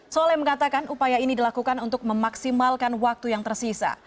soleh mengatakan upaya ini dilakukan untuk memaksimalkan waktu yang tersisa